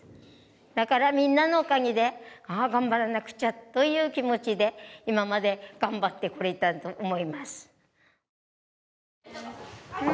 だからみんなのおかげでああ頑張らなくちゃという気持ちで今まで頑張ってこられたと思います。